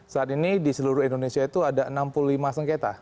saat ini di seluruh indonesia itu ada enam puluh lima sengketa